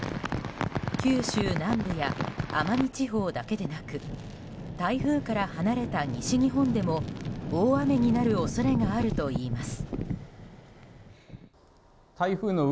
九州南部や奄美地方だけでなく台風から離れた西日本でも大雨になる恐れがあるといいます。